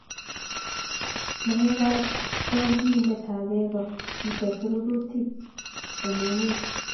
naeekab rongkinetab beekko kites rurutik en emee